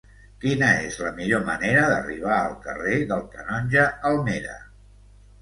Quina és la millor manera d'arribar al carrer del Canonge Almera?